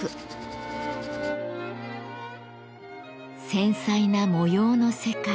繊細な模様の世界。